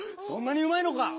そんなにうまいのか？